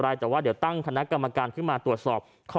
แต่ว่าเดี๋ยวตั้งคณะกรรมการขึ้นมาตรวจสอบข้อ